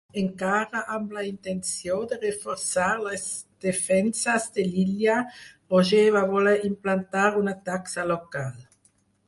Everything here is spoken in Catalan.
Encara amb la intenció de reforçar les defenses de l'illa, Rogers va voler implantar una taxa local.